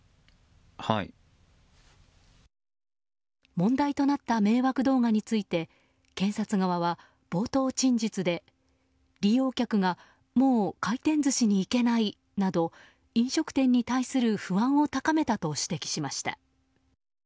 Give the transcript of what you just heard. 問題となった迷惑動画について検察側は冒頭陳述で、利用客がもう回転寿司に行けないなど飲食店に対する不安を高めたと指摘しました。